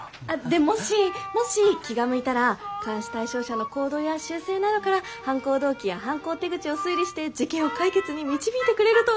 でもしもし気が向いたら監視対象者の行動や習性などから犯行動機や犯行手口を推理して事件を解決に導いてくれると助かるんですけど。